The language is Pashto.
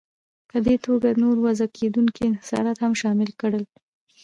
په دې توګه نور وضع کېدونکي انحصارات هم شامل کړل.